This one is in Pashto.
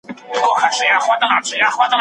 څوک د ټولنیز عمل تفسیر کوي؟